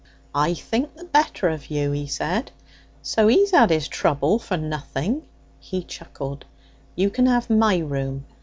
'I think the better of you,' he said. 'So he's had his trouble for nothing,' he chuckled. 'You can have my room.